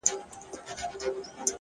د خاموش پارک بنچونه تل د انتظار ځای وي!.